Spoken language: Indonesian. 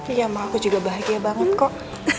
iya mah aku juga bahagia banget kok